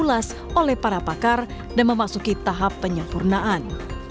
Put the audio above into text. diulas oleh para pakar dan memasuki tahap penyempurnaan